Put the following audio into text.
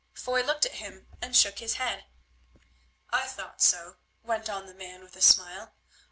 Foy looked at him and shook his head. "I thought so," went on the man with a smile.